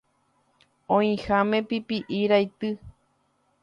oĩháme pipi'i raity